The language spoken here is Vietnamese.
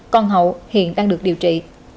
con hậu hiện đang được điều trị